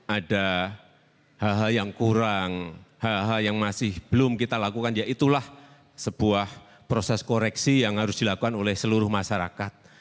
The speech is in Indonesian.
ada hal hal yang kurang hal hal yang masih belum kita lakukan ya itulah sebuah proses koreksi yang harus dilakukan oleh seluruh masyarakat